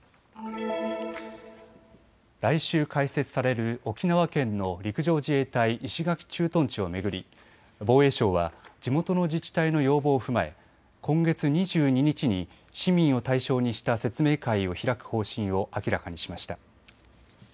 来週開設される沖縄県の陸上自衛隊石垣駐屯地を巡り防衛省は地元の自治体の要望を踏まえ、今月２２日に市民を対象にした説明会を開く方針を明らかにしました。